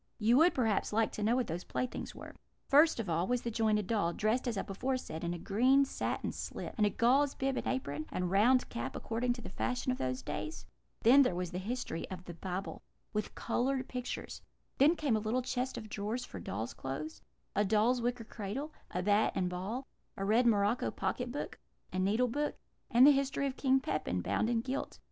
You would, perhaps, like to know what these playthings were: First of all was the jointed doll, dressed, as I before said, in a green satin slip, and a gauze bib and apron, and round cap, according to the fashion of those days; then there was the History of the Bible, with coloured pictures; then came a little chest of drawers, for dolls' clothes; a doll's wicker cradle; a bat and ball; a red morocco pocket book; a needle book; and the History of King Pepin, bound and gilt.